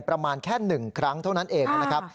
ประมาณแค่๑ครั้งเท่านั้นเอง